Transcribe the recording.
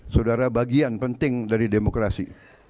saudara bagian penting dari demokrasi